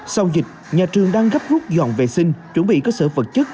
sau dịch nhà trường đang gấp rút dọn vệ sinh chuẩn bị cơ sở vật chất